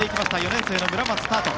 ４年生の村松、スタート。